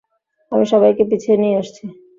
আমি সবাইকে পিছিয়ে নিয়ে আসছি।